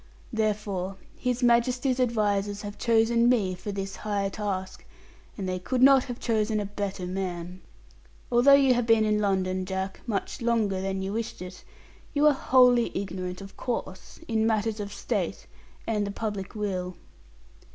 Therefore His Majesty's advisers have chosen me for this high task, and they could not have chosen a better man. Although you have been in London, Jack, much longer than you wished it, you are wholly ignorant, of course, in matters of state, and the public weal.'